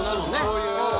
そういう。